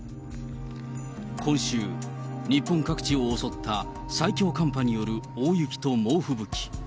今週、日本各地を襲った最強寒波による大雪と猛吹雪。